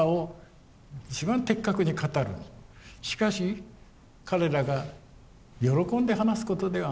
しかし彼らが喜んで話すことではない。